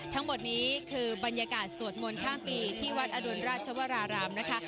ทั้งหมดนี้คือบรรยากาศสวดมนต์ข้ามปีที่วัดอดุลราชวรารามนะคะ